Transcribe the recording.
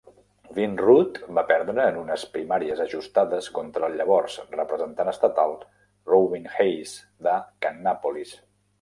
Vinroot va perdre en unes primàries ajustades contra el llavors representant estatal Robin Hayes, de Kannapolis.